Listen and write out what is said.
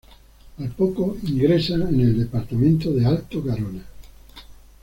Al poco ingresa en el departamento de Alto Garona.